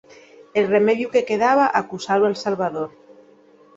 El remediu que quedaba, acusalu al salvador.